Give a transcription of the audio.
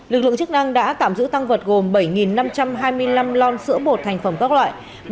lực lượng chức năng đã tạm giữ tăng vật gồm bảy năm trăm hai mươi năm lon sữa bột thành phẩm các loại